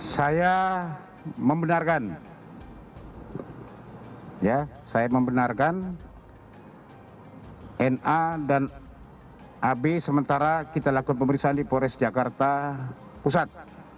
saya membenarkan saya membenarkan na dan ab sementara kita lakukan pemeriksaan di polres jakarta pusat